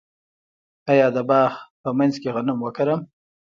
آیا د باغ په منځ کې غنم وکرم؟